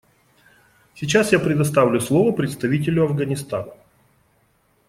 Сейчас я предоставляю слово представителю Афганистана.